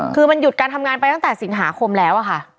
คือมันหยุดการทำงานไปตั้งแต่สิงหาคมแล้วค่ะ